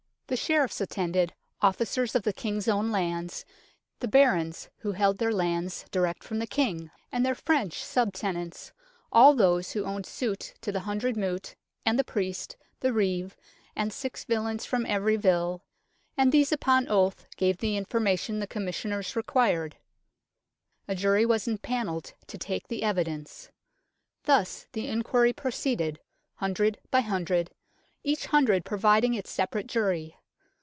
The Sheriffs attended, officers of the King's own lands, the Barons who held their lands direct from the King and their French sub tenants, all those who owed suit to the hundred moot, and the priest, the reeve, and six villeins from every vill, and these upon oath gave the information the Commissioners required. A jury was empanelled to take the evidence. Thus the inquiry proceeded, Hundred by Hundred, each Hundred providing its separate jury.